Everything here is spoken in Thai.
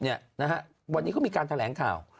วันนี้เขามีการแถลงข่าว